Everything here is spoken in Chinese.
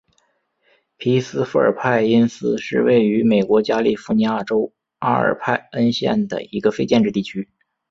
皮斯富尔派因斯是位于美国加利福尼亚州阿尔派恩县的一个非建制地区。